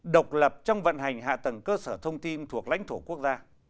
độc lập trong vận hành hạ tầng cơ sở thông tin thuộc lãnh thổ quốc gia